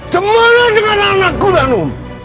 semuanya dengan anakku danu